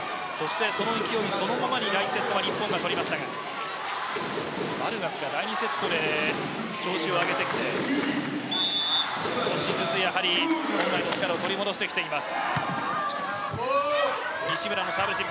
その勢いそのままに第１セットは日本が取りましたがバルガスは第２セットで調子を上げてきて少しずつやはり本来の力を取り戻してきています。